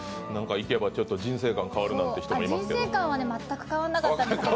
行けば人生観変わるなんて人もいますが。